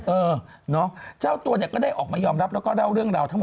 เออเนาะเจ้าตัวเนี่ยก็ได้ออกมายอมรับแล้วก็เล่าเรื่องราวทั้งหมด